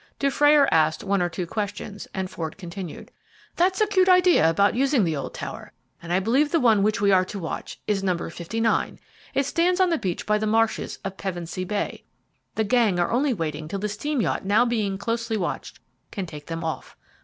Dufrayer asked one or two questions, and Ford continued: "That's a cute idea about using the old tower, and I believe the one which we are to watch is No. 59. It stands on the beach by the marshes of Pevensey Bay. The gang are only waiting till the steam yacht now being closely watched can take them off.